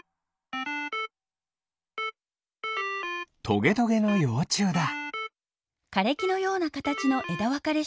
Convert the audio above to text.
トゲトゲのようちゅうだ。